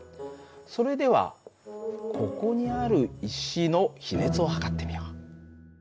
それではここにある石の比熱を測ってみよう。